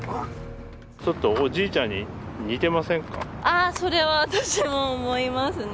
ああそれは私も思いますね。